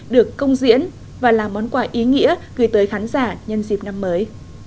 được công diễn và là món quà ý nghĩa gửi tới khán giả nhân dịp năm mới